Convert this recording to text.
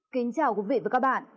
kính chào quý vị và các bạn